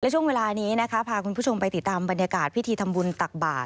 ช่วงเวลานี้นะคะพาคุณผู้ชมไปติดตามบรรยากาศพิธีทำบุญตักบาท